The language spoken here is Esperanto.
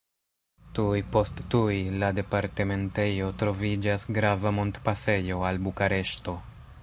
Tuj post tuj la departementejo troviĝas grava montpasejo al Bukareŝto.